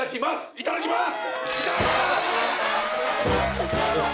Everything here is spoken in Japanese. いただきます！